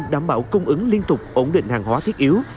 đảm bảo cung ứng liên tục ổn định hàng hóa thiết yếu